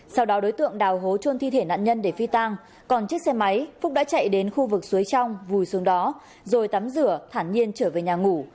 sau đó đối tượng đào hố trôn thi thể nạn nhân để phi tang còn chiếc xe máy phúc đã chạy đến khu vực suối trong vùi xuống đó rồi tắm rửa thản nhiên trở về nhà ngủ